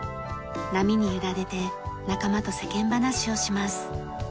波に揺られて仲間と世間話をします。